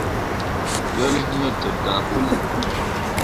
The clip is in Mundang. Wel iŋ te daa puli.